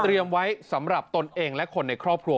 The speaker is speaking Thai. ไว้สำหรับตนเองและคนในครอบครัว